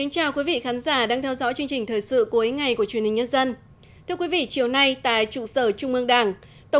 chào mừng quý vị đến với bộ phim hãy nhớ like share và đăng ký kênh của chúng mình nhé